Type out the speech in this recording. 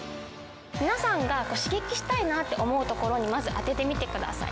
皆さんが刺激したいなって思うところにまず当ててみてください。